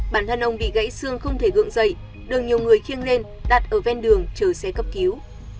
bản thân ông bị gãy xương không thể gượng dậy đường nhiều người khiêng lên đặt ở ven đường chờ xe cấp cứu